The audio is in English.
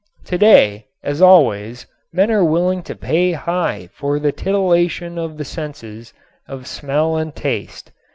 Today, as always, men are willing to pay high for the titillation of the senses of smell and taste.